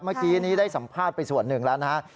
เมื่อกี้นี้ได้สัมภาษณ์ไปส่วนหนึ่งแล้วนะฮะ